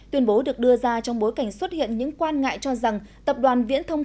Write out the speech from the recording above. tuyên bố được đưa ra trong bối cảnh xuất hiện những quan ngại cho rằng tập đoàn viễn thông